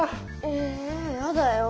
えやだよ！